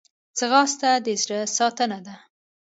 ځغاسته د زړه ساتنه ده